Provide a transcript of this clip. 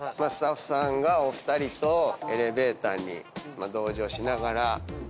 スタッフさんがお二人とエレベーターに同乗しながら。